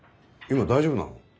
今大丈夫なの？